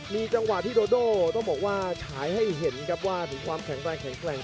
มีจังหวะที่โดโดต้องบอกว่าฉายให้เห็นครับว่าถึงความแข็งแรงแข็งแกร่ง